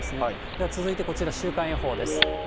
では続いてこちら、週間予報です。